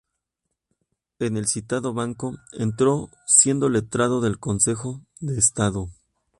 En el citado banco entró siendo letrado del Consejo de Estado.